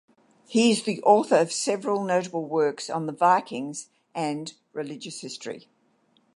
He is the author of several notable works on the Vikings and religious history.